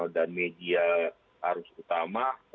dan media arus utama